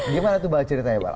gimana tuh mbak ceritanya bal